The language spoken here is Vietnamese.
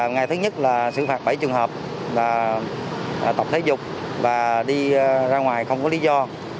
ngày thứ nhất là xử phạt bảy trường hợp là tập thể dục và đi ra ngoài không có lý do